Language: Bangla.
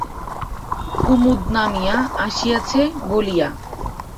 কুমুদ নামিয়া আসিয়াছে বলিয়া।